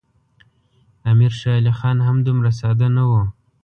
امیر شېر علي خان هم دومره ساده نه وو.